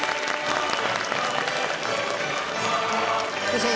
先生